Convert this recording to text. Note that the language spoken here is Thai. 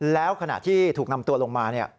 แล้วขณะที่ถูกนำตัวลงมา